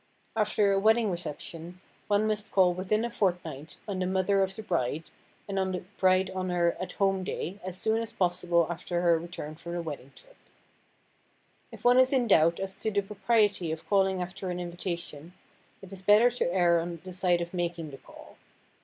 After a wedding reception one must call within a fortnight on the mother of the bride, and on the bride on her "At Home" day as soon as possible after her return from the wedding trip. If one is in doubt as to the propriety of calling after an invitation, it is better to err on the side of making the call.